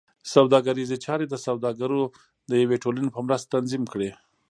سوداګریزې چارې د سوداګرو د یوې ټولنې په مرسته تنظیم کړې.